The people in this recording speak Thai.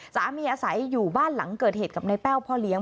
อาศัยอยู่บ้านหลังเกิดเหตุกับในแป้วพ่อเลี้ยง